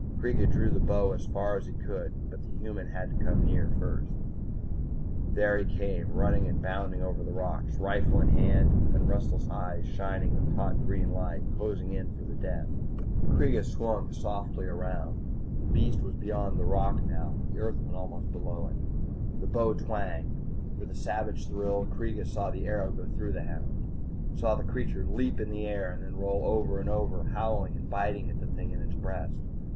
Kreega drew the bow as far as he could. But the human had to come near first There he came, running and bounding over the rocks, rifle in hand and restless eyes shining with taut green light, closing in for the death. Kreega swung softly around. The beast was beyond the rock now, the Earthman almost below it. The bow twanged. With a savage thrill, Kreega saw the arrow go through the hound, saw the creature leap in the air and then roll over and over, howling and biting at the thing in its breast.